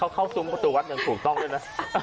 เข้าซุ้มประตูวัดอย่างถูกต้องด้วยนะ